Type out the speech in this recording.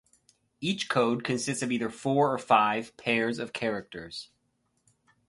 Each code consists of either four or five pairs of characters.